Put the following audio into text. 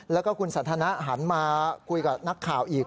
แล้วก็คุณสันทนะหันมาคุยกับนักข่าวอีก